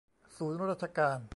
ศูนย์ราชการ